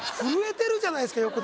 震えてるじゃないですか